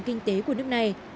kinh tế của nước này